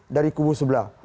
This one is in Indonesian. dari kubur sebelah